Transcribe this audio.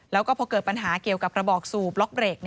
แล้วก็พอเกิดปัญหาเกี่ยวกับกระบอกสูบล็อกเบรก